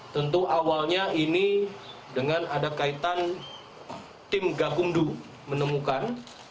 tentu awalnya ini dengan ada kaitan tim gakumdu menemukan